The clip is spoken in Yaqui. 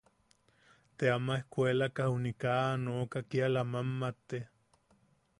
Ta ama ejkuelaka juni kaa aa nooka kiala a mammate.